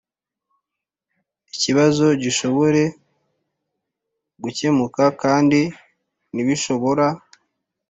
Ikibazo gishobore gukemuka kandi ntibishobora